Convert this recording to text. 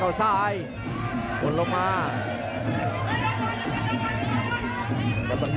ขวางแข็งขวาเจอเกลเททิ้ง